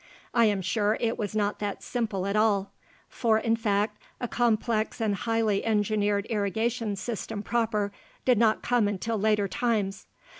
I am sure it was not that simple at all. For, in fact, a complex and highly engineered irrigation system proper did not come until later times.